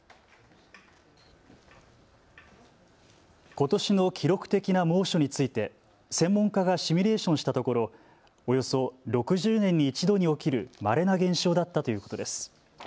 ことしの記録的な猛暑について専門家がシミュレーションしたところおよそ６０年に１度に起きるまれな現象だったということです。